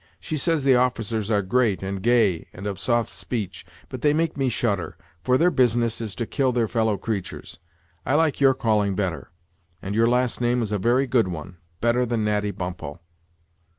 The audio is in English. She says the officers are great, and gay, and of soft speech; but they make me shudder, for their business is to kill their fellow creatures. I like your calling better; and your last name is a very good one better than Natty Bumppo."